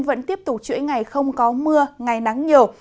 vẫn tiếp tục chuỗi ngày không có mưa ngày nắng nhiều